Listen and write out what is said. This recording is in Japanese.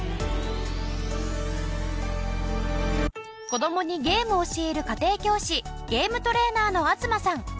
子どもにゲームを教える家庭教師ゲームトレーナーの東さん。